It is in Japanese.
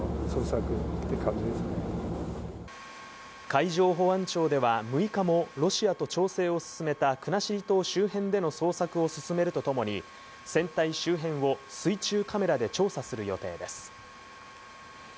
海上保安庁では６日もロシアと調整を進めた国後島周辺での捜索を進めるとともに、船体周辺を水中カメラで調査する予定です。